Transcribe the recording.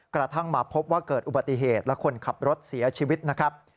กระทั่งมาพบว่าเกิดอุบัติเหตุและคนขับรถเสียชีวิตนะครับ